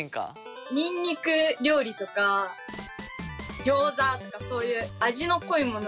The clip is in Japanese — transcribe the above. ニンニク料理とかギョーザとかそういう味の濃いもの